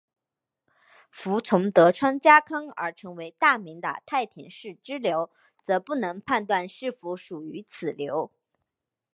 服从德川家康而成为大名的太田氏支流则不能判断是否属于此流。